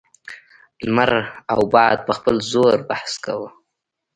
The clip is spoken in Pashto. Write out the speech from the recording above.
لمر او باد په خپل زور بحث کاوه.